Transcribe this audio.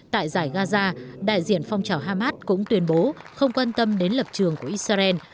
tại giải gaza đại diện phong trào hamas cũng tuyên bố không quan tâm đến lập trường của israel